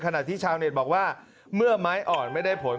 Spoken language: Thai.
ขณะที่ชาวเน็ตบอกว่าเมื่อไม้อ่อนไม่ได้ผล